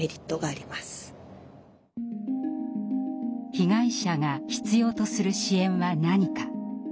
被害者が必要とする支援は何か。